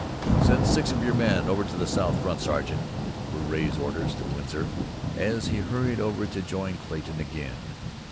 "Send six of your men over to the south front, sergeant," were Ray's orders to Winsor, as he hurried over to join Clayton again.